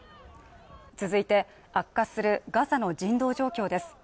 続いて悪化するガサの人道状況です